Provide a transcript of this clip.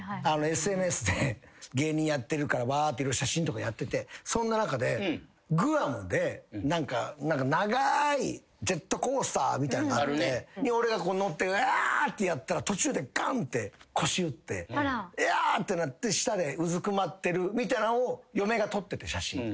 ＳＮＳで芸人やってるからわーって色々写真とかやっててそんな中でグアムで何か長いジェットコースターみたいなのがあって俺が乗ってあ！ってやってたら途中でガンって腰打ってあ！ってなって下でうずくまってるみたいなのを嫁が撮ってて写真。